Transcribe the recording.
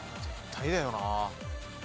絶対だよな。